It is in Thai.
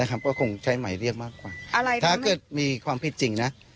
ก็คงใช้หมายเรียกมากกว่าถ้าเกิดมีความผิดจริงนะ